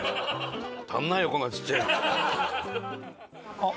あっ！